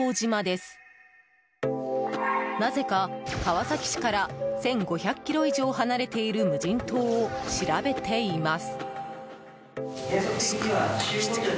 ［なぜか川崎市から１，５００ｋｍ以上離れている無人島を調べています］